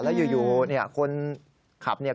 แล้วอยู่เนี่ยคนขับเนี่ย